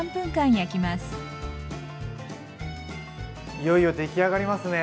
いよいよできあがりますね！